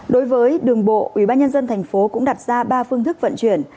đối với đường bộ ủy ban nhân dân thành phố cũng đặt ra ba phương thức vận chuyển